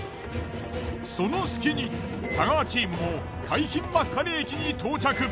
その隙に太川チームも海浜幕張駅に到着。